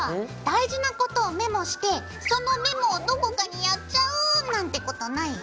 大事なことをメモしてそのメモをどこかにやっちゃうなんてことない？